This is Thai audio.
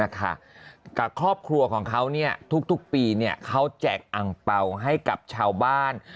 กับครอบครัวของเขาทุกปีเขาแจกอังเป่าให้กับชาวบ้าน